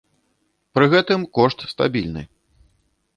Пры гэтым, кошт стабільны.